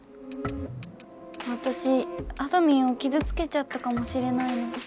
わたしあどミンをきずつけちゃったかもしれないの。